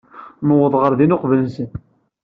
Nuweḍ ɣer din uqbel-nsen.